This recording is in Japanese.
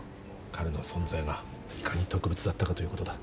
彼の存在がいかに特別だったかということだ。